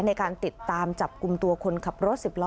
ในการติดตามจับกลุ่มตัวคนขับรถ๑๐ล้อ